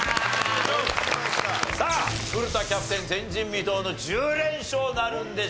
さあ古田キャプテン前人未到の１０連勝なるんでしょうか？